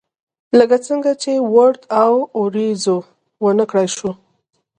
لکه څنګه چې رود او، اوریځو ونه کړای شوه